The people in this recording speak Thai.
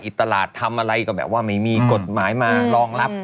ตลาดทำอะไรก็แบบว่าไม่มีกฎหมายมารองรับ